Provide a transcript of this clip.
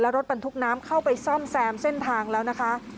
รถบรรทุกน้ำเข้าไปซ่อมแซมเส้นทางแล้วนะคะ